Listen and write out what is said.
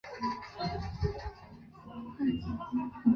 水火箭是以水的压力作为推动力来推动前进的一种模型火箭。